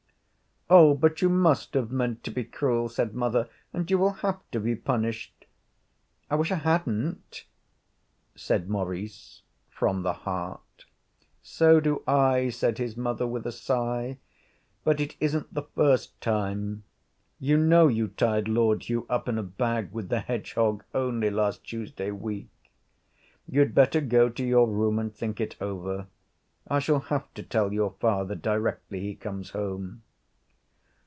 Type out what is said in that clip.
'Oh, but you must have meant to be cruel,' said mother, 'and you will have to be punished.' 'I wish I hadn't,' said Maurice, from the heart. 'So do I,' said his mother, with a sigh; 'but it isn't the first time; you know you tied Lord Hugh up in a bag with the hedgehog only last Tuesday week. You'd better go to your room and think it over. I shall have to tell your father directly he comes home.'